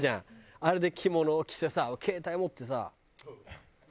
あれで着物を着てさ携帯持ってさ。